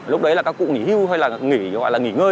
lúc đấy là các cụ nghỉ hưu hay là nghỉ gọi là nghỉ ngơi